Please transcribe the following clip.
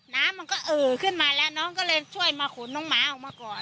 น้ำมันก็เอ่อขึ้นมาแล้วน้องก็เลยช่วยมาขนน้องหมาออกมาก่อน